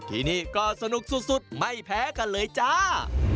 ที่นี่ก็สนุกสุดไม่แพ้กันเลยจ้า